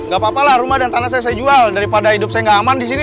gapapa lah rumah dan tanah saya jual daripada hidup saya gak aman disini